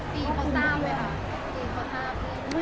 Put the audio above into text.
ปีเขาทราบไหมคะ